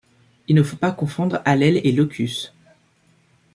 Il ne faut pas confondre allèle et locus.